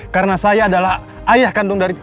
karena saya adalah ayah kandung dari